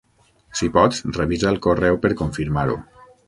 Si pots, revisa el correu per confirmar-ho.